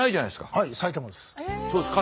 はい埼玉です。